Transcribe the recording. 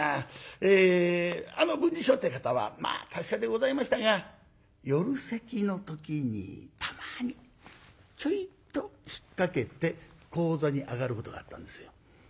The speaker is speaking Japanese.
あの文治師匠って方はまあ達者でございましたが夜席の時にたまにちょいと引っ掛けて高座に上がることがあったんですよ。